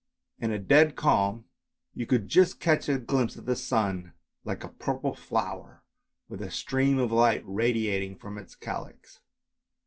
In a dead calm you could just catch a glimpse of the sun like a purple flower with a stream of light radiating from its calyx.